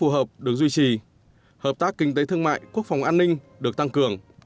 hợp tác kinh tế thương mại quốc phòng an ninh được tăng cường